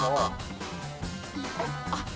あっ。